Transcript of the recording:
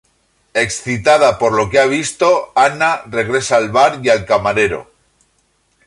Excitada por lo que ha visto Anna regresa al bar y al camarero.